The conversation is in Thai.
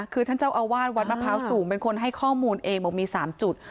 คือท่านเจ้าอาวาสวัดมะพร้าวสูงเป็นคนให้ข้อมูลเองบอกมี๓จุด